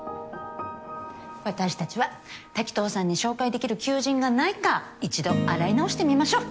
私たちは滝藤さんに紹介できる求人がないか１度洗い直してみましょう。